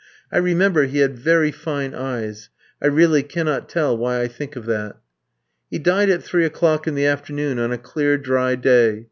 I remember he had very fine eyes. I really cannot tell why I think of that. He died at three o'clock in the afternoon on a clear, dry day.